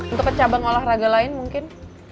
untuk ke cabang olahraga lain mungkin